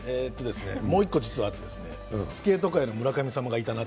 もう１個あってスケート界の村神様がいたなと。